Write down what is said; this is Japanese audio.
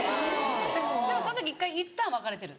・でもその時いったん別れてる？